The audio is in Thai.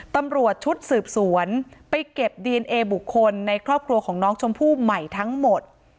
ตำรวจชุดสืบสวนไปเก็บดีเอนเอบุคคลในครอบครัวของน้องชมพู่ใหม่ทั้งหมด